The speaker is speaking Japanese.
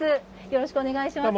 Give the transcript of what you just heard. よろしくお願いします。